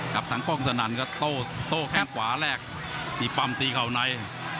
ตังค์ป้องสนั่นก็โต้แค่งขวาแรกที่ปั๊มตีเข้าใน